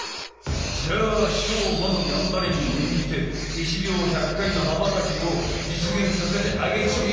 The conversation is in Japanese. じゃあしょうまのがんばりにめんじて１秒１００回の羽ばたきをじつげんさせてあげちょびれ。